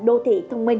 đô thị thông minh